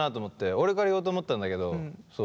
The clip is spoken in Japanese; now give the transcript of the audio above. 俺から言おうと思ったんだけどそう。